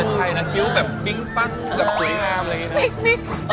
ใช่นะคิ้วแบบปิ๊งปั้งแบบสวยงามอะไรอย่างนี้นะ